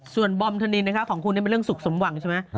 ส่วนบอมธนินนะคะของคุณนี่เป็นเรื่องสุขสมหวังใช่ไหม